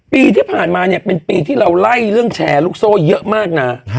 ปีที่ผ่านมาเนี่ยเป็นปีที่เราไล่เรื่องแชร์ลูกโซ่เยอะมากนะ